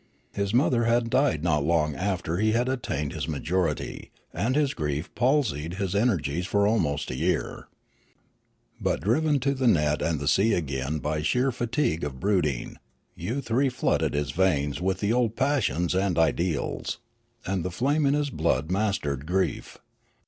His mother had died not long after he had attained his majority, and his grief palsied his energies for almost a year. But driven to the net aud the sea again by sheer fatigue of brooding, youth reflooded his veins with the old passions and ideals, and the flame in his blood mastered grief.